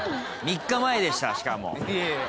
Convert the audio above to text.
３日前でしたしかも。